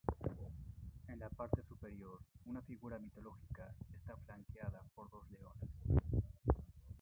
En la parte superior, una figura mitológica está flanqueada por dos leones.